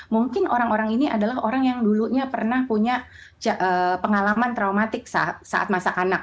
mungkin orang orang ini adalah orang yang dulunya pernah punya pengalaman traumatik saat masa kanak